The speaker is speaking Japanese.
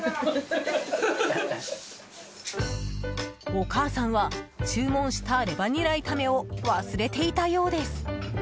お母さんは注文したレバニラ炒めを忘れていたようです。